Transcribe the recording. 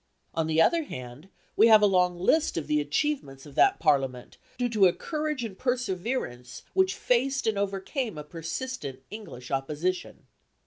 On the other hand, we have a long list of the achievements of that Parliament due to a courage and perseverance which faced and overcame a persistent English opposition.